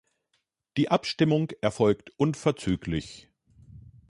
Die Abstimmung erfolgt unverzüglich.